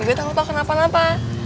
gue tau tau kenapa napa